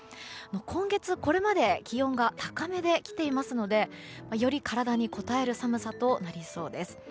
今月、これまで気温が高めで来ていますのでより体にこたえる寒さとなりそうです。